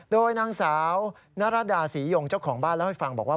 โดยนางสาวนรดาศรียงเจ้าของบ้านเล่าให้ฟังบอกว่า